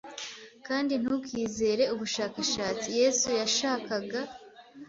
kandi ntukizere ubushakashatsi Yesu yashakaga